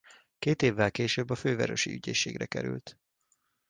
Két évvel később a fővárosi ügyészségre került.